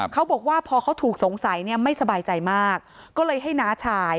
เขาบอกว่าพอเขาถูกสงสัยเนี่ยไม่สบายใจมากก็เลยให้น้าชาย